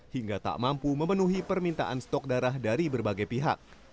hingga tak mampu memenuhi permintaan stok darah dari berbagai pihak